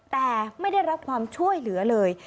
แต่ไม่ได้รับความช่วยเหลือเลย